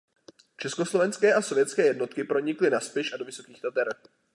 Československé a sovětské jednotky pronikly na Spiš a do Vysokých Tater.